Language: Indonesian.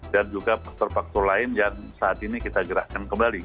dan juga faktor faktor lain yang saat ini kita gerakkan kembali